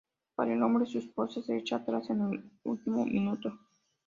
Desafortunadamente para el hombre, su esposa se echa atrás en el último minuto.